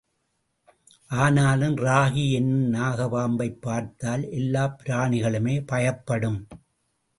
ஆனாலும், ராகி என்னும் நாகப் பாம்பைப் பார்த்தால் எல்லாப் பிராணிகளுமே பயப்படும்.